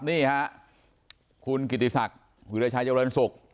นี่ฮะคุณกิติศักดิ์วิวิทยาชายาวรรณสุข